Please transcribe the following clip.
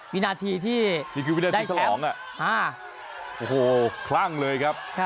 วินาทีที่ได้แชมป์โอ้โหคลั่งเลยครับ